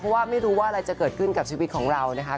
เพราะว่าไม่รู้ว่าอะไรจะเกิดขึ้นกับชีวิตของเรานะคะ